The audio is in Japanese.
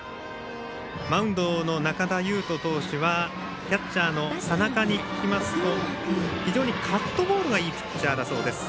マウンドの中田有飛投手はキャッチャーの佐仲に聞きますと非常にカットボールがいいピッチャーだそうです。